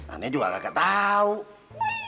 aneh juga gak ketahuuu